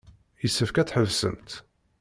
Yessefk ad tḥebsemt.